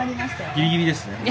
ギリギリですね。